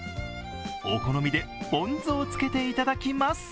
お好みでポン酢をつけていただきます。